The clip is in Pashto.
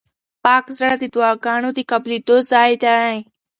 پاک زړه د دعاګانو د قبلېدو ځای دی.